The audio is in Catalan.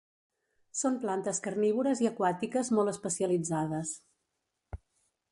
Són plantes carnívores i aquàtiques molt especialitzades.